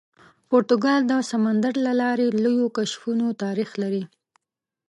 پرتګال د سمندر له لارې لویو کشفونو تاریخ لري.